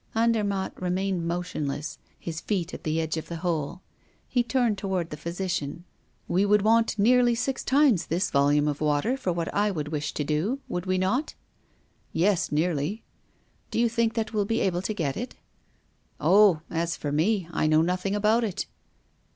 Andermatt remained motionless, his feet on the edge of the hole. He turned toward the physician: "We would want nearly six times this volume of water for what I would wish to do, would we not?" "Yes, nearly." "Do you think that we'll be able to get it?" "Oh! as for me, I know nothing about it."